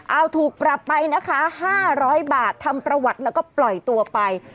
เอาถูกปรับไปนะคะ๕๐๐บาททำประวัติแล้วก็ปล่อยตัวไป